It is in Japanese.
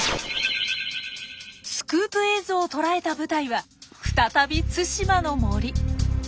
スクープ映像を捉えた舞台は再び対馬の森。